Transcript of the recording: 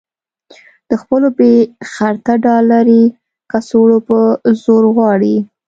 د خپلو بې خرطه ډالري کڅوړو په زور غواړي.